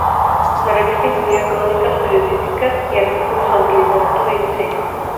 La revista incluía crónicas periodísticas y artículos sobre literatura y diseño.